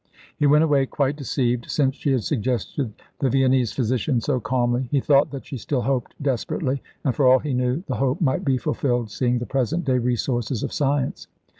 He went away quite deceived, since she had suggested the Viennese physician so calmly. He thought that she still hoped desperately, and for all he knew the hope might be fulfilled, seeing the present day resources of science.